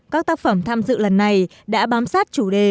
các tác phẩm tham dự lần này đã bám sát chủ đề